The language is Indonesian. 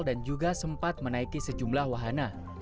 dan juga sempat menaiki sejumlah wahana